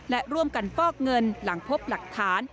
และร่วมกันฟอกเงินหลังพบหลักฐาน